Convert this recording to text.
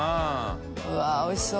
Δ錙おいしそう。